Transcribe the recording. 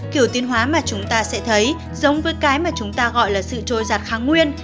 kiểu tiên hóa mà chúng ta sẽ thấy giống với cái mà chúng ta gọi là sự trôi giặt kháng nguyên